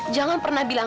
jangan pernah bilang